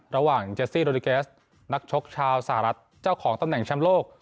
เจซี่โรดิเกสนักชกชาวสหรัฐเจ้าของตำแหน่งแชมป์โลก